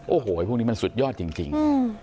โอ้โหพวกนี้มันสุดยอดจริง